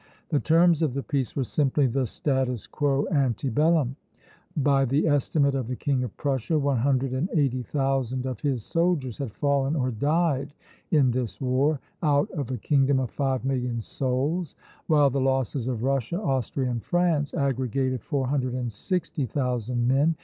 The terms of the peace were simply the status quo ante bellum. By the estimate of the King of Prussia, one hundred and eighty thousand of his soldiers had fallen or died in this war, out of a kingdom of five million souls; while the losses of Russia, Austria, and France aggregated four hundred and sixty thousand men.